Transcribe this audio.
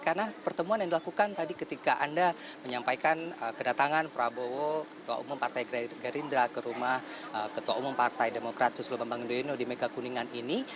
karena pertemuan yang dilakukan tadi ketika anda menyampaikan kedatangan prabowo ketua umum partai gerindra ke rumah ketua umum partai demokrat suslo bambang endoino di megakuningan ini